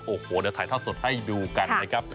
โอ้โหเดี๋ยวถ่ายทอดสดให้ดูกันนะครับ